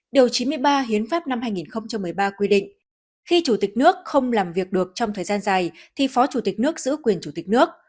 điều chín mươi ba hiến pháp năm hai nghìn một mươi ba quy định khi chủ tịch nước không làm việc được trong thời gian dài thì phó chủ tịch nước giữ quyền chủ tịch nước